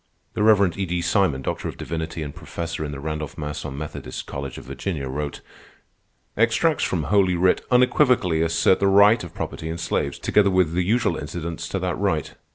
_" The Rev. E. D. Simon, Doctor of Divinity and professor in the Randolph Macon Methodist College of Virginia, wrote: "_Extracts from Holy Writ unequivocally assert the right of property in slaves, together with the usual incidents to that right.